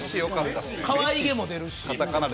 かわいげも出るし。